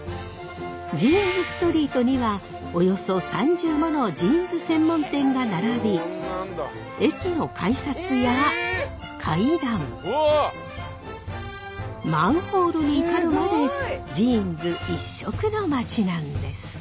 ジーンズストリートにはおよそ３０ものジーンズ専門店が並び駅の改札や階段マンホールに至るまでジーンズ一色の町なんです。